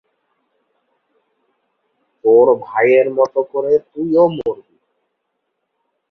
তোর ভাইয়ের মতো করে তুইও মরবি।